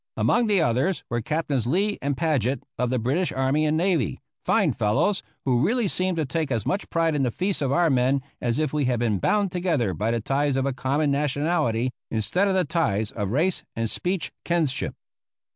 Among the others were Captains Lee and Paget of the British army and navy, fine fellows, who really seemed to take as much pride in the feats of our men as if we had been bound together by the ties of a common nationality instead of the ties of race and speech kinship.